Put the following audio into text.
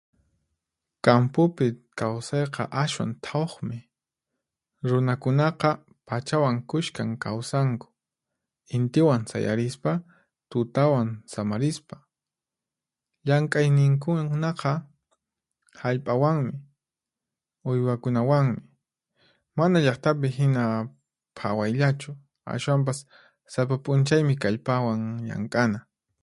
Kampupi kawsayqa ashwan thawqmi. Runakunaqa pachawan kushkan kawsanku, intiwan sayarispa, tutawan samarispa. Llank'ayninkunaqa hallp'awanmi, uywakunawanmi. Mana llaqtapi hina phawayllachu, ashwanpas sapa p'unchaymi kallpawan llank'ana.